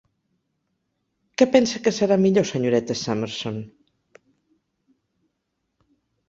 Que pensa que serà millor, Senyoreta Summerson?